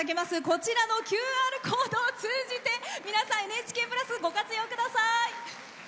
こちらのＱＲコードを通じて皆さん、「ＮＨＫプラス」ご活用ください！